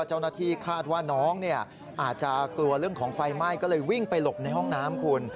เจ้าหน้าที่คาดว่าน้องเนี่ยอาจจะกลัวเรื่องของไฟไหม้ก็เลยวิ่งไปหลบในห้องน้ำคุณ